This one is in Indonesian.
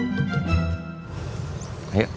semua peluang masih terbuka